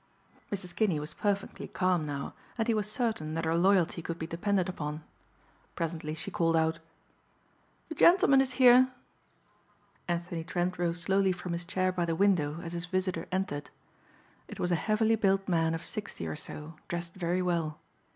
Mrs. Kinney was perfectly calm now and he was certain that her loyalty could be depended upon. Presently she called out, "The gentleman is here." Anthony Trent rose slowly from his chair by the window as his visitor entered. It was a heavily built man of sixty or so dressed very well.